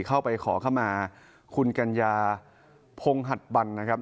เข้าไปขอเข้ามาคุณกัญญาพงหัดบันนะครับ